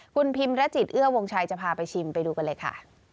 คุณพิมรจิตเอื้อวงชัยจะพาไปชิมไปดูกันเลยค่ะ